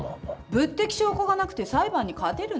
物的証拠がなくて裁判に勝てるの？